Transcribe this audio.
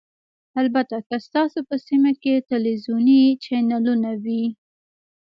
البته که ستاسو په سیمه کې تلویزیوني چینلونه وي